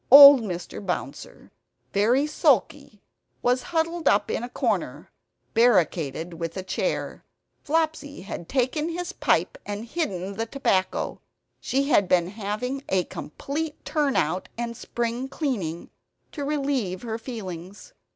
Old Mr. Bouncer, very sulky, was huddled up in a corner, barricaded with a chair. Flopsy had taken away his pipe and hidden the tobacco. She had been having a complete turn out and spring cleaning, to relieve her feelings.